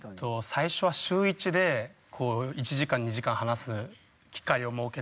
最初は週一で１時間２時間話す機会を設けて。